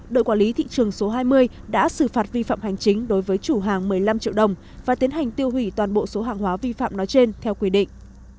đội quản lý thị trường số hai mươi đã xử phạt vi phạm hành chính đối với chủ hàng một mươi năm triệu đồng và tiến hành tiêu hủy toàn bộ số hàng hóa vi phạm nói trên theo quy định